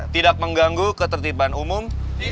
tidak mengganggu ketertiban umum